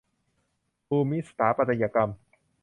ภูมิสถาปัตยกรรม